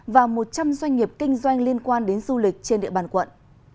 và một trăm linh doanh nghiệp kinh doanh liên quan đến du lịch trên địa bàn quận